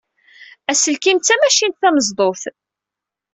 Aselkim d tamacint tameẓdut.